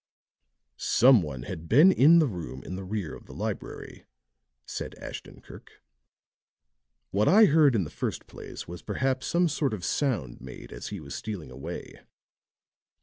"Some one had been in the room in the rear of the library," said Ashton Kirk. "What I heard in the first place was perhaps some sort of sound made as he was stealing away.